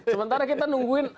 sementara kita nungguin angka lain